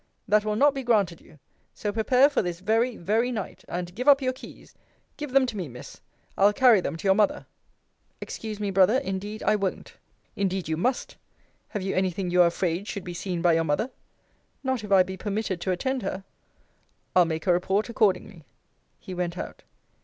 That will not be granted you. So prepare for this very very night. And give up your keys. Give them to me, Miss. I'll carry them to your mother. Excuse me, Brother. Indeed I won't. Indeed you must. Have you any thing you are afraid should be seen by your mother? Not if I be permitted to attend her. I'll make a report accordingly. He went out.